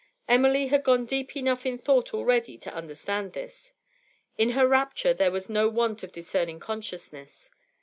Emily had gone deep enough in thought already to understand this; in her rapture there was no want of discerning consciousness.